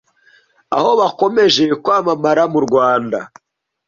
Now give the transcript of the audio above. aho bakomeje kwamamara mu Rwanda.